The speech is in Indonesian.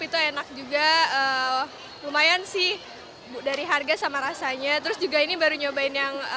itu enak juga lumayan sih dari harga sama rasanya terus juga ini baru nyobain yang